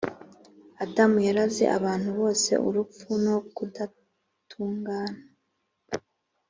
Adamu yaraze abantu bose urupfu no kudatungana